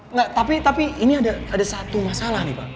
enggak tapi ini ada satu masalah nih pak